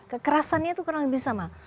kekerasannya itu kurang lebih sama